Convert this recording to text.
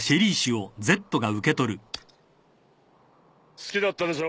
好きだったでしょ？